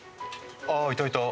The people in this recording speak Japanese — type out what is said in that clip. あいたいた。